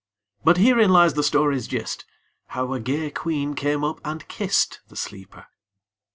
But herein lies the story's gist, How a gay queen came up and kist The sleeper.